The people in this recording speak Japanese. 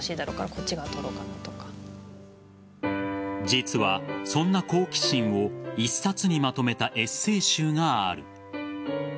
実は、そんな好奇心を１冊にまとめたエッセー集がある。